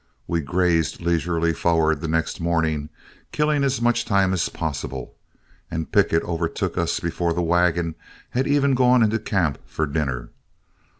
We grazed leisurely forward the next morning, killing as much time as possible, and Pickett overtook us before the wagon had even gone into camp for dinner.